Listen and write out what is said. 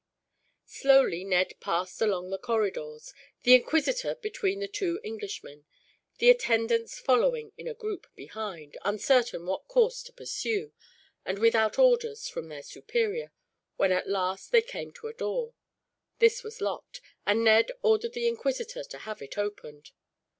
Slowly Ned passed along the corridors, the inquisitor between the two Englishmen, the attendants following in a group behind, uncertain what course to pursue, and without orders from their superior, when at last they came to a door. This was locked, and Ned ordered the inquisitor to have it opened.